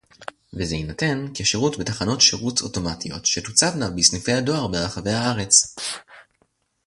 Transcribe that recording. וזה יינתן כשירות בתחנות שירות אוטומטיות שתוצבנה בסניפי הדואר ברחבי הארץ